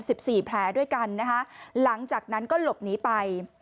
สิบสี่แผลด้วยกันนะคะหลังจากนั้นก็หลบหนีไป